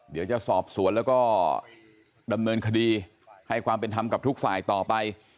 เดี๋ยวจะสอบสวนแล้วก็ดำเนินคดีให้ความเป็นธรรมกับทุกฝ่ายต่อไป